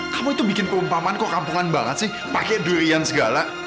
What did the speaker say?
kamu itu bikin keumpamaan kok kampungan banget sih pakai durian segala